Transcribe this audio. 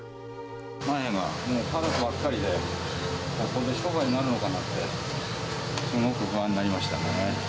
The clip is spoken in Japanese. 前はもうカラスばっかりで、ここで商売になるのかなって、すごく不安になりましたね。